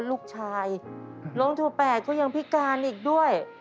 ลูกชายน้องโทรแปดก็ยังพิการอีกด้วย